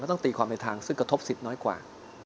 ต้องตีความในทางซึ่งกระทบสิทธิ์น้อยกว่า